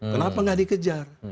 kenapa tidak dikejar